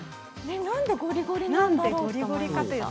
なんでゴリゴリなんだろう？